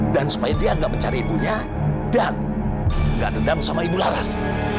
dan supaya dia gak mencari ibunya dan gak dendam sama ibu laras